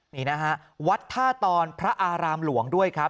นี่นะฮะวัดท่าตอนพระอารามหลวงด้วยครับ